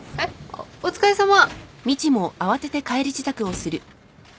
あお疲れさま。